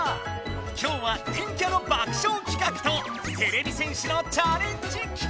今日は電キャの爆笑企画とてれび戦士のチャレンジ企画！